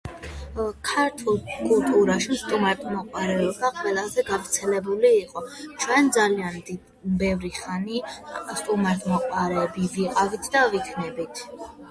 ქართულ კულტურაში სტუმართმოყვარეობა ყველაზე გავრცელებული იყო. ჩვენ ძალიან ბევრი ხანი სტუმართმოყვარეები ვიყავით და ვიქნებით